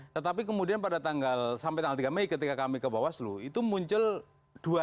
tetapi kemudian pada tanggal sampai tanggal tiga mei ketika kami ke bawaslu itu muncul dua